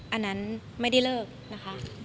อันนั้นไม่ได้เลิกนะคะ